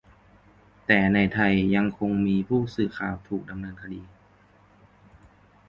แต่ในไทยยังคงมีผู้สื่อข่าวถูกดำเนินคดี